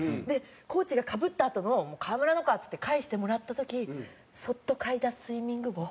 コーチがかぶったあとの「川村のか」っつって返してもらった時そっと嗅いだスイミング帽。